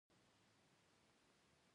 پسه د افغانستان په هره برخه کې موندل کېږي.